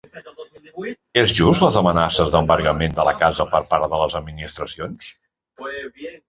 És just les amenaces d’embargament de la casa per part de les administracions?